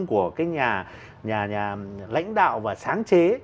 của cái nhà lãnh đạo và sáng chế